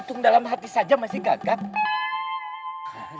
itung dalam hati saja masih gagal